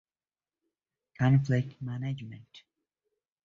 A full grammar of the Serrano language can be found here.